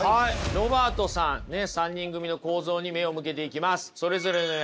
ロバートさん３人組の構造に目を向けていきます。